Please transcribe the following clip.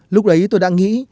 lúc ấy tôi đã nghĩ